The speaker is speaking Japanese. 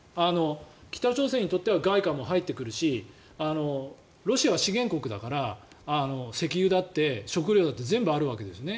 北朝鮮にとっては外貨も入ってくるしロシアは資源国だから石油だって食糧だって全部あるわけですね。